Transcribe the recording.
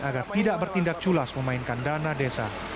agar tidak bertindak culas memainkan dana desa